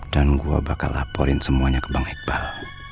dan gue bakal laporin semuanya ke bang iqbal